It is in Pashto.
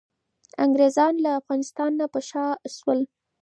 انګریزان له افغانستان نه په شا شول.